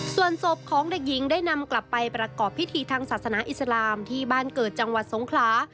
ส่วนศพของเด็กหญิงได้นำกลับไปประกอบพิธีทางศาสนาอิสลามที่บ้านเกิดจังหวัดสงขลา